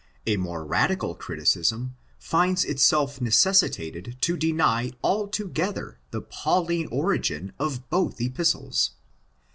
A more radical criticism finds itself necessitated to deny altogether the Pauline origin of both Epistles.